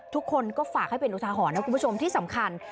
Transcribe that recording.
ทุกคนก็ฝากให้เป็นอุทาหรณ์นะคุณผู้ชมที่สำคัญ